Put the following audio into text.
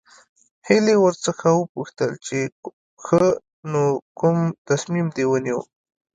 هيلې ورڅخه وپوښتل چې ښه نو کوم تصميم دې ونيو.